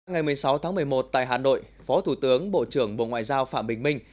ngày một mươi sáu tháng một mươi một tại hà nội phó thủ tướng bộ trưởng bộ ngoại giao phạm bình minh